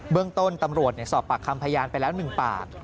เบื้องต้นตำรวชสอบปากคำพยานไปละหนึ่งปาก